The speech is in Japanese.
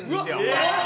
えっ！